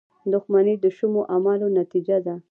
• دښمني د شومو اعمالو نتیجه ده.